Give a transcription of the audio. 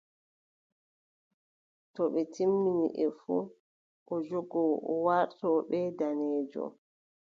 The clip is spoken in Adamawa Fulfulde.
To ɓe timmini e fuu, o jogo o warto ɓe daneejo.